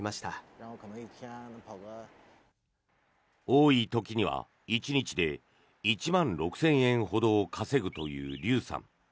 多い時には１日で１万６０００円ほど稼ぐというリュウさん。